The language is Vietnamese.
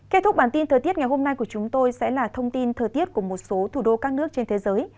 kết thúc bản tin thời tiết ngày hôm nay của chúng tôi sẽ là thông tin thời tiết của một số thủ đô các nước trên thế giới